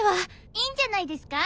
いいんじゃないですか？